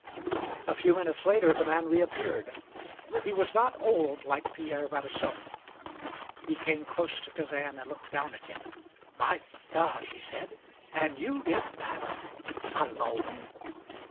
A few minutes later the man reappeared. He was not old, like Pierre Radisson. He came close to Kazan, and looked down at him. "My God," he said. "And you did that _alone!